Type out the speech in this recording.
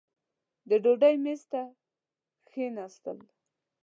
د ډوډۍ مېز ته کښېنستل.